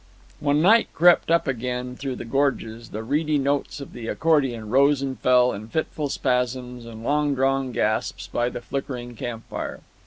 When night crept up again through the gorges, the reedy notes of the accordion rose and fell in fitful spasms and long drawn gasps by the flickering campfire.